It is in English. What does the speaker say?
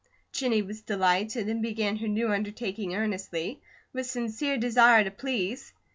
Jennie was delighted, and began her new undertaking earnestly, with sincere desire to please.